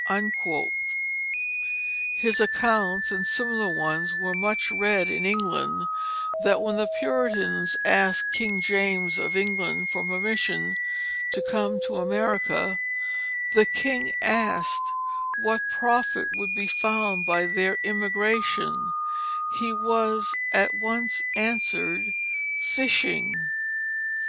His accounts and similar ones were so much read in England that when the Puritans asked King James of England for permission to come to America, and the king asked what profit would be found by their emigration, he was at once answered, "Fishing."